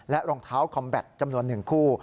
และรองเท้าคอมแบตจำนวนหนึ่งคู่